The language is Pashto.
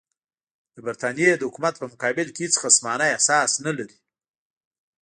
د برټانیې د حکومت په مقابل کې هېڅ خصمانه احساس نه لري.